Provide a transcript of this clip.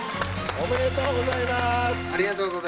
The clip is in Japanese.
ありがとうございます。